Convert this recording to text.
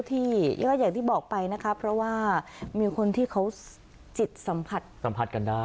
งูเจ้าที่อย่างที่บอกไปนะครับเพราะว่ามีคนที่เขาสมผัสสัมผัสกันได้